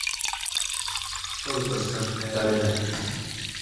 そうとしか考えられない